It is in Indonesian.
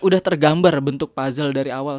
udah tergambar bentuk puzzle dari awal